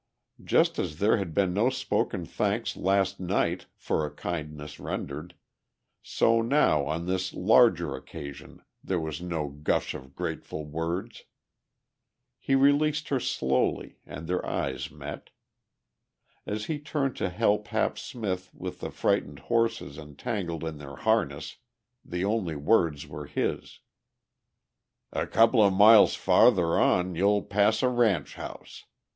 Just as there had been no spoken thanks last night for a kindness rendered, so now on this larger occasion there was no gush of grateful words. He released her slowly and their eyes met. As he turned to help Hap Smith with the frightened horses entangled in their harness, the only words were his: "A couple of miles farther on you'll pass a ranch house.